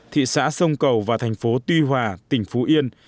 thị xã sông cầu và thành phố tuy hòa tỉnh phú yên